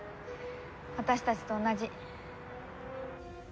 私たちと同じ。